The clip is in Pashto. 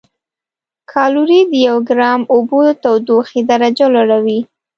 کالوري د یو ګرام اوبو د تودوخې درجه لوړوي.